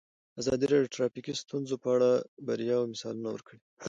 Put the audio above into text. ازادي راډیو د ټرافیکي ستونزې په اړه د بریاوو مثالونه ورکړي.